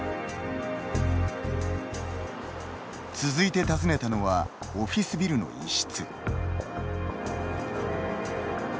続いて訪ねたのはオフィスビルの一室。